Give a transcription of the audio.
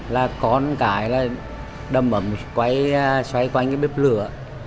là con cái là đâm ấm xoay quanh cái bếp lửa